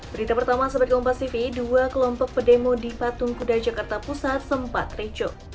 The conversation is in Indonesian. berita pertama sobatkompastv dua kelompok pedemo di patung kuda jakarta pusat sempat ricoh